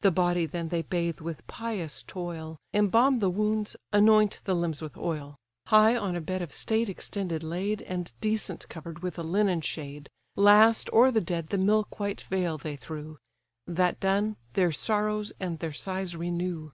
The body then they bathe with pious toil, Embalm the wounds, anoint the limbs with oil, High on a bed of state extended laid, And decent cover'd with a linen shade; Last o'er the dead the milk white veil they threw; That done, their sorrows and their sighs renew.